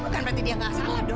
bukan berarti dia nggak salah dok